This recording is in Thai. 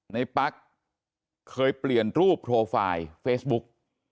ปั๊กเคยเปลี่ยนรูปโปรไฟล์เฟซบุ๊ก